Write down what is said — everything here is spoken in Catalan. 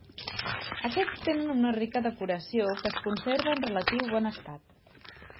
Aquests tenen una rica decoració que es conserva en relatiu bon estat.